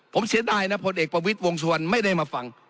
ผมเสียดายนะพลเอกประวิทย์วงสุวรรณไม่ได้มาฟัง